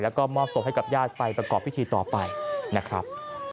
แล้วก็มอบศพให้กับญาติไปประกอบพิธีต่อไปนะครับ